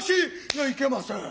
いけません。